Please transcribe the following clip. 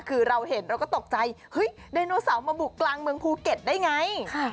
คือเราเห็นเราก็ตกใจเฮ้ยไดโนเสาร์มาบุกกลางเมืองภูเก็ตได้ไง